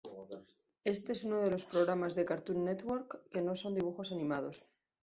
Este es uno de los programas de Cartoon Network que no son dibujos animados.